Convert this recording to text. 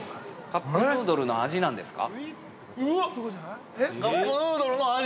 ◆カップヌードルの味なんですか？